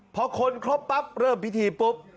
พอคนครบปั๊บเริ่มพิธีปุ๊บ